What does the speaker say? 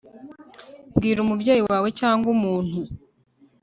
bwira umubyeyi wawe cyangwa umuntu